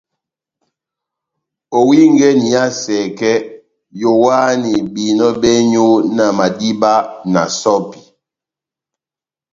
Owingɛni iha sɛkɛ, yowahani behinɔ bɛ́nywu na madiba na sɔ́pi.